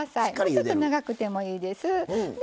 ちょっと長くてもいいです。